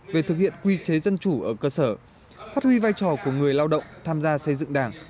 về thực hiện quy chế dân chủ ở cơ sở phát huy vai trò của người lao động tham gia xây dựng đảng